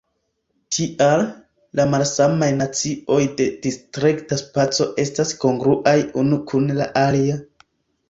Tial, la malsamaj nocioj de diskreta spaco estas kongruaj unu kun la alia.